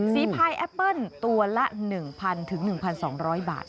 สีพรายแอปเปิลตัวละ๑๐๐๐๑๒๐๐บาทซิ